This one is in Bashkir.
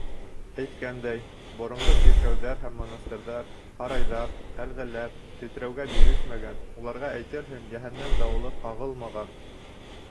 Әйткәндәй, боронғо сиркәүҙәр һәм монастырҙар, һарайҙар, ҡәлғәләр тетрәүгә бирешмәгән, уларға, әйтерһең, йәһәннәм дауылы ҡағылмаған.